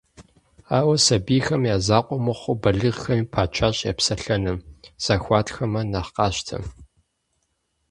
Ауэ сабийхэм я закъуэ мыхъуу, балигъхэми пачащ я псэлъэным, зэхуэтхэмэ нэхъ къащтэ.